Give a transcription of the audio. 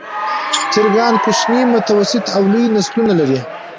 چرګان کوچني، متوسط او لوی نسلونه لري.